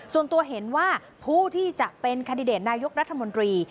ส่วนตัวเห็นว่าผู้ที่จะเป็นคันดิเดตนายกรัฐมนตรี